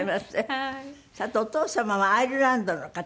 さてお父様はアイルランドの方。